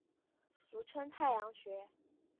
俗称太阳穴。